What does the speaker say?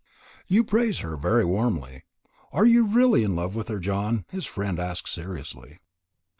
"You praise her very warmly. Are you really in love with her, John?" his friend asked seriously.